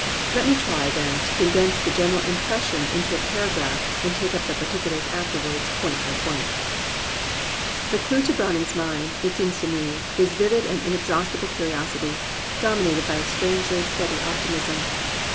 Let me try, then, to condense the general impres sion into a paragraph and take up the particulars afterwards, point by point. The clew to Browning's mind, it seems to me, is vivid and inexhaustible curiosity, dominated by a strangely steady optimism.